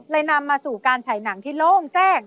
นำมาสู่การฉายหนังที่โล่งแจ้ง